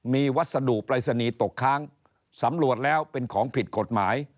มีวัสดุปรายศนีย์ตกค้างสำรวจแล้วเป็นของผิดกฎหมาย